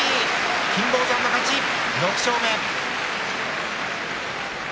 金峰山の勝ち、６勝目。